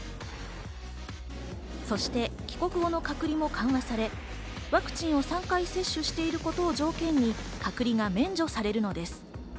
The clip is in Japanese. そして帰国後の隔離を緩和され、ワクチンを３回目接種していることを条件に隔離が免除されるのです。